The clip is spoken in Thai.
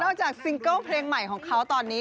จากซิงเกิ้ลเพลงใหม่ของเขาตอนนี้